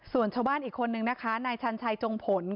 ส่วนชาวบ้านอีกคนนึงนะคะนายชันชัยจงผล